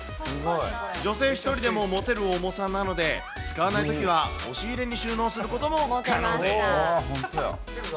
女性１人でも持てる重さなので、使わないときは、押し入れに収納することも可能です。